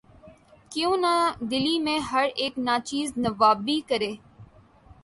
کیوں نہ دلی میں ہر اک ناچیز نوّابی کرے